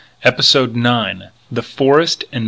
EPISODE NINE THE FOREST AND MR.